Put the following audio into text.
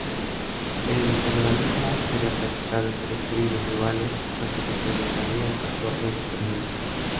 El canibalismo sería practicado entre tribus rivales, lo que incrementaría el factor de supervivencia.